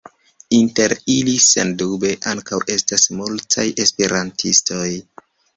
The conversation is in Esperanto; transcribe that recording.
Inter ili sendube ankaŭ estas multaj esperantistoj.